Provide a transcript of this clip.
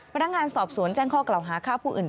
พนักงานสอบสวนแจ้งข้อกล่าวหาฆ่าผู้อื่น